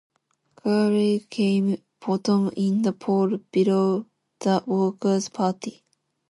Carey came bottom in the poll, below the Workers' Party.